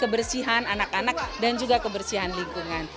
kebersihan anak anak dan juga kebersihan lingkungan